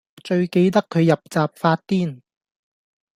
最記得佢入閘發癲